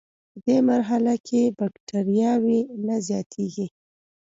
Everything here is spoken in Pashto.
پدې مرحله کې بکټریاوې نه زیاتیږي.